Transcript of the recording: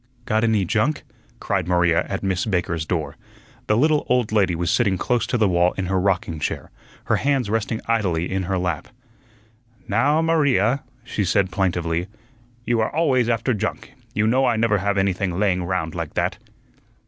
"Got any junk?" cried Maria at Miss Baker's door. The little old lady was sitting close to the wall in her rocking chair; her hands resting idly in her lap. "Now, Maria," she said plaintively, "you are always after junk; you know I never have anything laying 'round like that."